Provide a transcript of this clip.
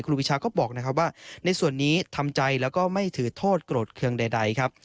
วิชาก็บอกนะครับว่าในส่วนนี้ทำใจแล้วก็ไม่ถือโทษโกรธเครื่องใดครับ